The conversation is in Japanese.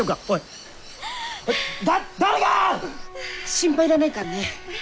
心配いらないからね。